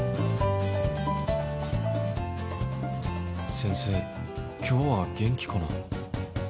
先生今日は元気かな？